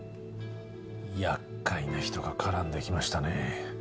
やっかいな人が絡んできましたね